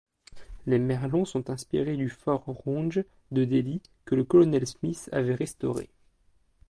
Les merlons sont inspirés du Fort-Rouge de Delhi que le colonel Smith avait restauré.